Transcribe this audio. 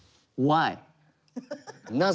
なぜ？